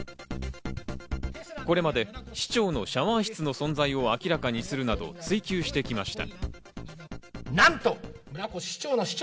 これまで市長のシャワー室の存在を明らかにするなど追及してきました。